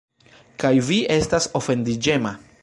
Kaj vi estas ofendiĝema.